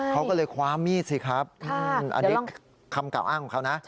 เขาก็เลยคว้ามีดสิครับอันนี้คำกล่าวอ้างของเขานะ